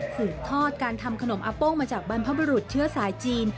ถูกทอดการทำขนมอาโป้งมาจากบรรพบรุษเชื้อสายจีน